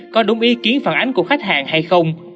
có đúng ý kiến phản ánh của khách hàng hay không